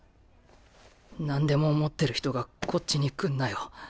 なんでも持ってる人がこっちに来んなよ。